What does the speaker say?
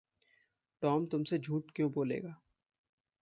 Tom तुम से झूठ क्यों बोलेगा?